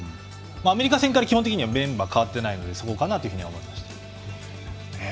アメリカ戦から基本的にメンバーが変わっていないのでそこかなと思いました。